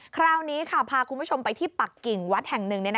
คราวนี้พาคุณผู้ชมไปที่ปักกิ่งวัดแห่งหนึ่ง